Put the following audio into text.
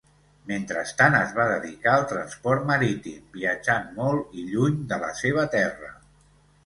Mentrestant es va dedicar al transport marítim, viatjant molt i lluny de la seva terra.